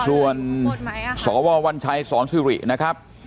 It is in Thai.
ส่วนสววัญชัยสอนซิรินะครับ